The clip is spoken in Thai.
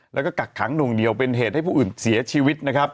แล้วก็กักขังหนุ่งเดียวเป็นเหตุให้ผู้อื่นเสียชีวิต